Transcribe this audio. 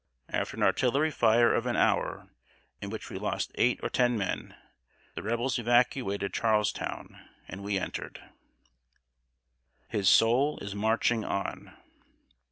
After an artillery fire of an hour, in which we lost eight or ten men, the Rebels evacuated Charlestown, and we entered. [Sidenote: "HIS SOUL IS MARCHING ON."